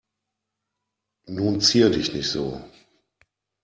Nun zier dich nicht so.